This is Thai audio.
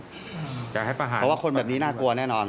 เพราะว่าคนแบบนี้น่ากลัวแน่นอน